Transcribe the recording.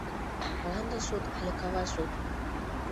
— Мланде суд, але кава суд?